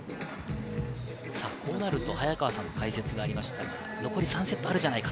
こうなると早川さんの解説がありました、残り３セットあるじゃないか。